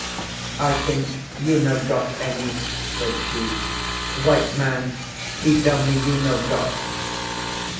"I think you no got any," said she. "White man, he tell me you no got."